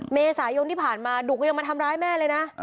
เมษายนที่ผ่านมาดุก็ยังมาทำร้ายแม่เลยนะ